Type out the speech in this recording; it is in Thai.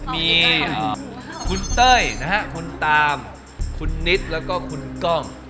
มีคุณเต้ยนะฮะคุณตามคุณนิดแล้วก็คุณกล้อง